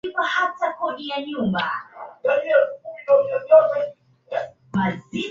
viongizi wa makundi rika wawasaidie vijana kupata elimu ya ukimwi